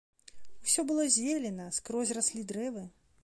Усё было зелена, скрозь раслі дрэвы.